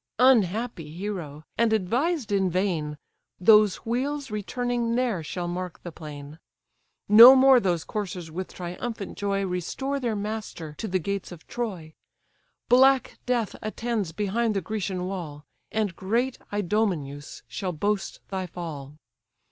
Unhappy hero! and advised in vain; Those wheels returning ne'er shall mark the plain; No more those coursers with triumphant joy Restore their master to the gates of Troy! Black death attends behind the Grecian wall, And great Idomeneus shall boast thy fall!